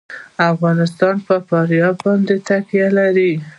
افغانستان په فاریاب باندې تکیه لري.